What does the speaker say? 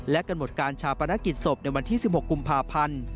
กำหนดการชาปนกิจศพในวันที่๑๖กุมภาพันธ์